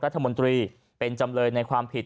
รัฐมนตรีเป็นจำเลยในความผิด